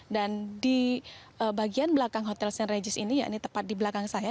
dan di bagian belakang hotel st regis ini ya ini tepat di belakang saya